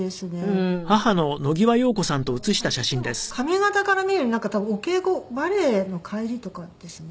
これ私でも髪形から見るに多分お稽古バレエの帰りとかですね。